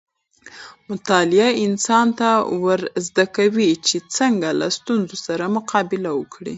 مطالعه انسان ته دا ورزده کوي چې څنګه له ستونزو سره مقابله وکړي.